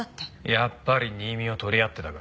やっぱり新見を取り合ってたか。